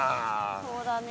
そうだね。